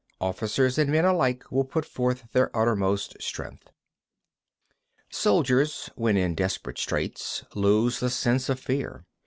Officers and men alike will put forth their uttermost strength. 24. Soldiers when in desperate straits lose the sense of fear.